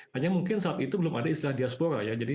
hanya mungkin saat itu belum ada istilah diaspora ya